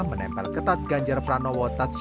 menempel ketat ganjar pranowo tadji